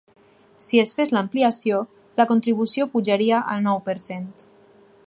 Si es fes l’ampliació, la contribució pujaria al nou per cent.